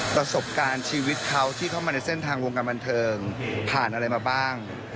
ประสบการณ์ชีวิตเขาที่เข้ามาในเส้นทางวงการบันเทิงผ่านอะไรมาบ้าง